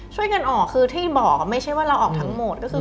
ช่วยกันออกคือที่บอกไม่ใช่ว่าเราออกทั้งหมดก็คือ